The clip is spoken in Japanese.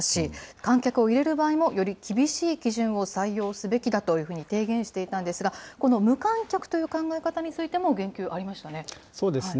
観客を入れる場合も、より厳しい基準を採用すべきだというふうに提言していたんですが、この無観客という考え方についても言及ありましたね。